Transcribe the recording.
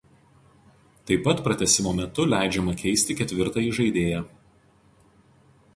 Taip pat pratęsimo metu leidžiama keisti ketvirtąjį žaidėją.